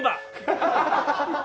ハハハハ！